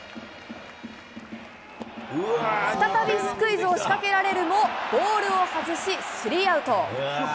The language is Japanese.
再びスクイズを仕掛けられるも、ボールを外し、スリーアウト。